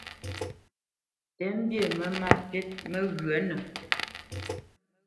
Tə mbî mə́ má fít məghyənə.